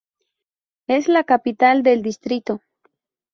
Es la capital del distrito.